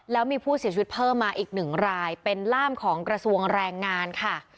แล้วมีผู้เสียชีวิตเพิ่มมาอีกหนึ่งรายเป็นล่ามของกระทรวงแรงงานค่ะ